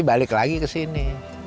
balik lagi ke sini